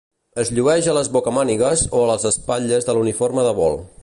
Es llueix a les bocamànigues o a les espatlles de l'uniforme de vol.